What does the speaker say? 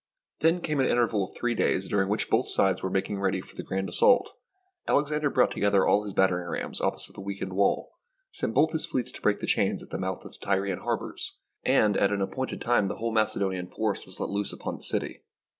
Then came an interval of three days during which both sides were making ready for the grand assault. Alexander brought together all his batter ing rams opposite the weakened wall, sent both his fleets to break the chains at the mouth of the Tyrian harbours, and at an appointed time the whole Macedonian force was let loose at once upon the THE BOOK OF FAMOUS SIEGES city.